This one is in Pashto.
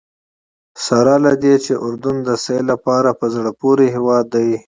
سره له دې چې اردن د سیل لپاره په زړه پورې هېواد دی.